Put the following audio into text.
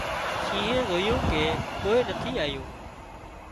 شِينهئي زويُون ڪي ڪوئي نٿي آيون